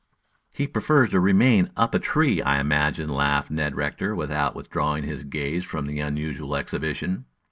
"He prefers to remain up a tree, I imagine," laughed Ned Rector, without withdrawing his gaze from the unusual exhibition.